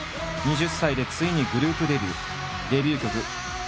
２０歳でついにグループデビュー。